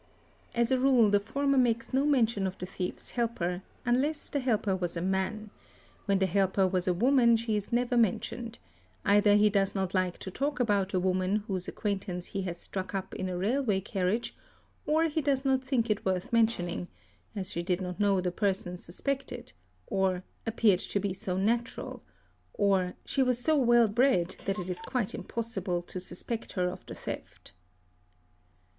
g As a rule the former makes no mention of the thief's helper, unless the helper was a man; when. the helper was a woman she is never mentioned; either he does not like to talk about a woman whose acquain tance he has struck up in a railway carriage, or he does not think it — worth mentioning "as she did not know the person suspected", or — '"'appeared to be so natural"', or ''she was so well bred that it is quite impossible to suspect her of the theft''.